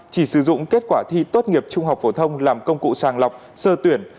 chỉ sử dụng kết quả thi tốt nghiệp trung học phổ thông làm công cụ sàng lọc sơ tuyển